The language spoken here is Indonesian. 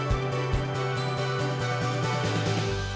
kita riset dan mencari dengan bentuk suam